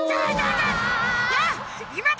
ヤいまだ！